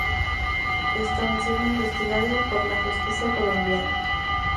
Esto aun siendo investigado por la justicia colombiana.